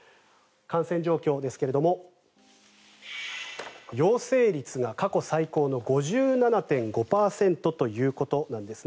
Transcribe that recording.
感染状況ですが陽性率が過去最高の５７．５％ということなんです。